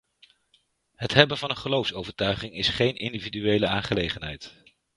Het hebben van een geloofsovertuiging is geen individuele aangelegenheid.